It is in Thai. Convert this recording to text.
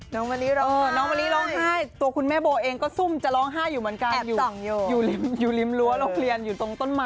น้องมะลิร้องไห้ตัวคุณแม่โบเองก็ซุ่มจะร้องไห้อยู่เหมือนกันแอบอยู่ริมรั้วโรงเรียนอยู่ตรงต้นไม้